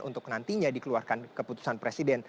untuk nantinya dikeluarkan keputusan presiden